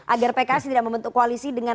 agar pks tidak membentuk koalisi dengan